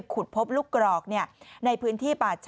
ครับ